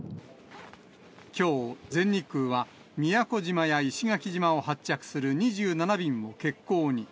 きょう、全日空は、宮古島や石垣島を発着する２７便を欠航に。